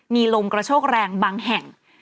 มีลมกระโชกแรงบางแห่ง